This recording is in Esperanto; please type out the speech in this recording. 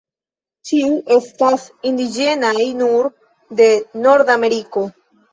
Ĉiu estas indiĝenaj nur de Nordameriko.